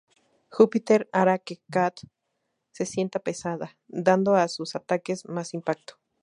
Júpiter hará que Kat se sienta pesada, dando a sus ataques más impacto.